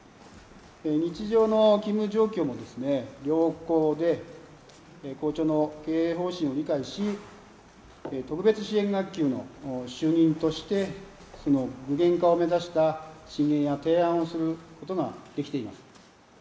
日常の勤務状況も良好で、校長の経営方針も理解し、特別支援学級の主任として具現化を目指した提案をすることができています。